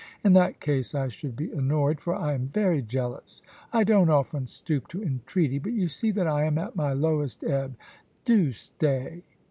In that case I should be annoyed, for I am very jealous. I don't often stoop to entreaty, but you see that I am at my lowest ebb. Do stay.'